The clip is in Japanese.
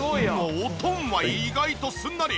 おとんは意外とすんなり。